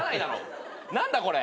何だこれ。